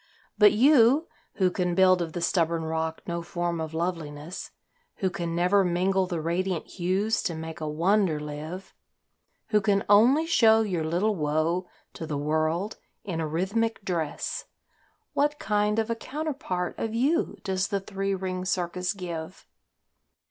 But you, who can build of the stubborn rock no form of loveliness, Who can never mingle the radiant hues to make a wonder live, Who can only show your little woe to the world in a rhythmic dress What kind of a counterpart of you does the three ring circus give?